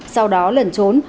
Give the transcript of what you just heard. sau đó lẩn trốn